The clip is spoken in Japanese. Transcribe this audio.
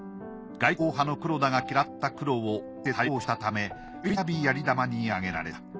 外光派の黒田が嫌った黒をあえて多用したためたびたびやり玉に挙げられた。